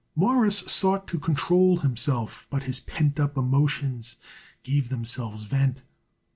Morris sought to control himself, but his pent up emotions gave themselves vent.